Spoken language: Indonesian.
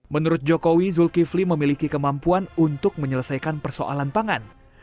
menurut jokowi zulkifli memiliki kemampuan untuk menyelesaikan persoalan pangan